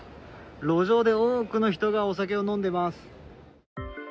路上で多くの人がお酒を飲んでいます。